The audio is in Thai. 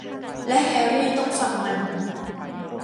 และแฮรี่ต้องฟังมัน